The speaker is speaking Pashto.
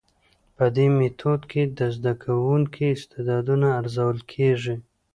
په دي ميتود کي د زده کوونکو استعدادونه ارزول کيږي.